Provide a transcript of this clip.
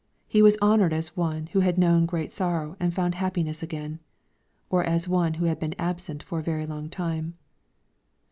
He was honored as one who had known great sorrow and found happiness again, or as one who had been absent for a very long time.